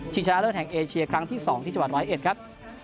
ชิงชะละเริ่มแห่งเอเชียครั้งที่๒ที่จังหวัด๑๐๑ครับ